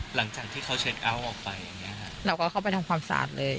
หลังจากที่เขาเช็คเอาท์ออกไปเราก็เข้าไปทำความสะอาดเลย